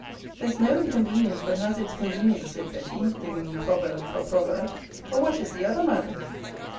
There's no inconvenience but has its convenience, said Betty, giving me proverb for proverb. But what is the other, Madam?